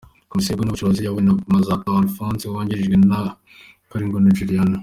Komisiyo y’Ubukungu n‘Ubucuruzi iyobowe na Bazatoha Adolphe wungirijwe na Kantengwa Juliana.